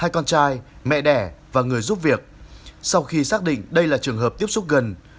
hai con trai mẹ đẻ và người giúp việc sau khi xác định đây là trường hợp tiếp xúc gần